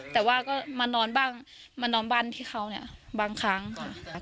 แต่ว่าก็มานอนบ้านที่เขาเนี่ยบางครั้งค่ะ